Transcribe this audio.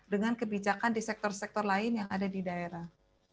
dengan kebijakan di sektor sektor lain yang ada di daerah